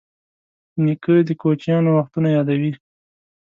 نیکه د کوچیانو وختونه یادوي.